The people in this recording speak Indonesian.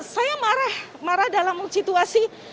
saya marah marah dalam situasi